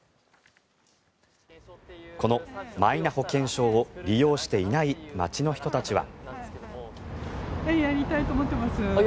このマイナ保険証を利用していない街の人たちは。